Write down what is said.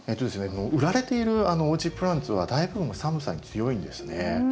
売られているオージープランツは大部分は寒さに強いんですね。